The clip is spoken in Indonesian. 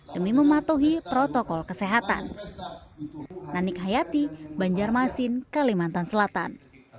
demi mematuhi protokol kesehatan